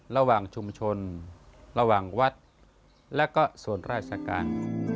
ระหว่างชุมชนระหว่างวัดและก็ส่วนราชการ